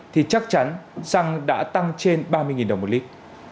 thì chắc chắn xăng đã tăng trên ba mươi đồng một lít